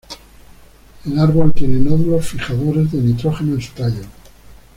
El árbol tiene nódulos fijadores de nitrógeno en su tallo.